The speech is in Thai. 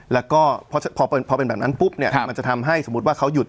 แล้วก็พอเป็นแบบนั้นปุ๊บเนี่ยมันจะทำให้สมมุติว่าเขาหยุด